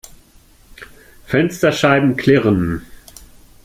Fensterscheiben klirren.